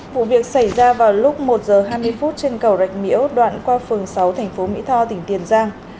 vụ việc xảy ra vào lúc một giờ hai mươi phút trên cầu rạch miễu đoạn qua phường sáu thành phố mỹ tho tỉnh tiền giang